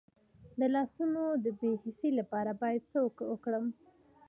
د لاسونو د بې حسی لپاره باید څه وکړم؟